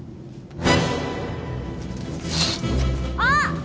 あっ！